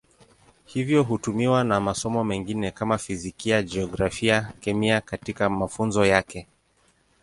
Hivyo hutumiwa na masomo mengine kama Fizikia, Jiografia, Kemia katika mafunzo yake.